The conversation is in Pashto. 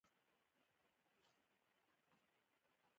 هلته لوی او خطرناک ماران هم وو.